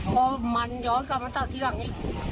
พอมันย้อนกลับมาเท่าที่หวังอีก